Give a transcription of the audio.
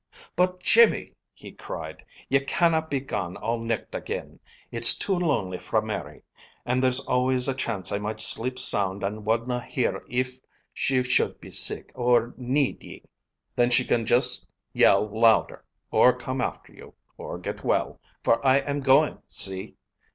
"But, Jimmy!" he cried, "ye canna be gone all nicht again. It's too lonely fra Mary, and there's always a chance I might sleep sound and wadna hear if she should be sick or need ye." "Then she can just yell louder, or come after you, or get well, for I am going, see?